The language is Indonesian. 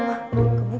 nah kiti grandes